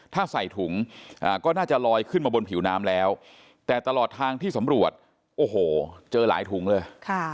ถ้าใส่ถุงก็น่าจะลอยขึ้นมาบนผิวน้ำแล้วแต่ตลอดทางที่สำรวจโอ้โหเจอหลายถุงเลย